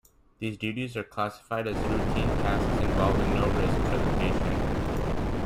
These duties are classified as routine tasks involving no risk for the patient.